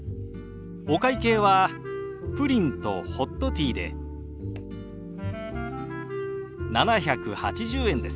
お会計はプリンとホットティーで７８０円です。